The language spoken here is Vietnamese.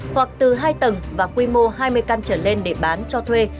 hoặc từ hai tầng và quy mô hai mươi căn trở lên để bán cho thuê